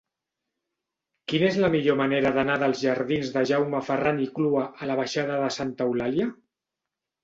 Quina és la millor manera d'anar dels jardins de Jaume Ferran i Clua a la baixada de Santa Eulàlia?